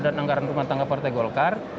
dan anggaran rumah tangga partai golkar